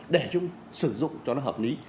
để chúng sử dụng cho nó hợp lý